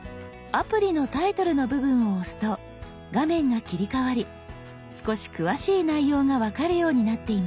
アプリのタイトルの部分を押すと画面が切り替わり少し詳しい内容が分かるようになっています。